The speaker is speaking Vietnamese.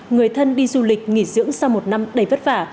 người thân đi du lịch nghỉ dưỡng sau một năm đầy vất vả